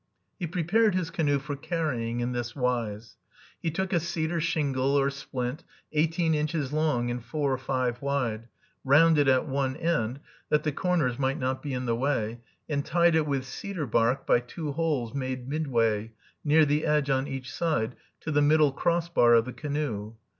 He prepared his canoe for carrying in this wise. He took a cedar shingle or splint eighteen inches long and four or five wide, rounded at one end, that the corners might not be in the way, and tied it with cedar bark by two holes made midway, near the edge on each side, to the middle cross bar of the canoe.